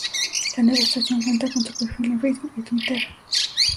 La nueva estación cuenta con su perfil en Facebook y Twitter.